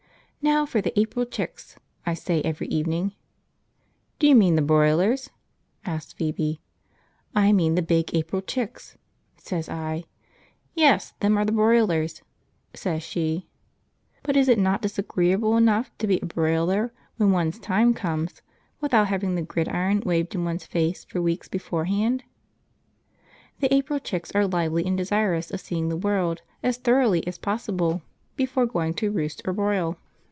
"Now for the April chicks," I say every evening. "Do you mean the broilers?" asks Phoebe. "I mean the big April chicks," say I. "Yes, them are the broilers," says she. But is it not disagreeable enough to be a broiler when one's time comes, without having the gridiron waved in one's face for weeks beforehand? {Nine huddle together: p34.jpg} The April chicks are all lively and desirous of seeing the world as thoroughly as possible before going to roost or broil.